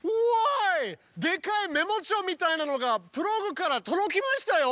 でっかいメモ帳みたいなのがプログから届きましたよ！